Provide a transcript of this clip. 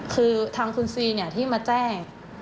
คือทางคุณซีที่มาแจ้ง